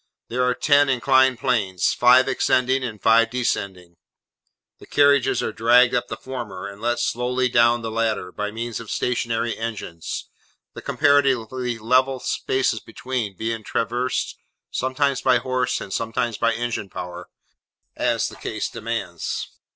There are ten inclined planes; five ascending, and five descending; the carriages are dragged up the former, and let slowly down the latter, by means of stationary engines; the comparatively level spaces between, being traversed, sometimes by horse, and sometimes by engine power, as the case demands.